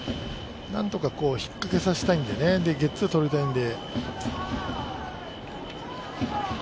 なんとかひっかけさせたいんでね、ゲッツーとりたいんで。